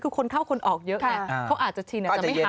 คือคนเข้าคนออกเยอะไงเขาอาจจะชินอาจจะไม่หา